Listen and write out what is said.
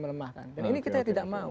melemahkan dan ini kita tidak mau